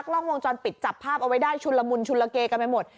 กล้องวงจรปิดจับภาพเอาไว้ได้ชุนละมุนชุนละเกกันไปหมด